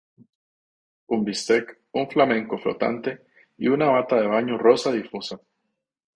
Un bistec, un flamenco flotante y una bata de baño rosa difusa.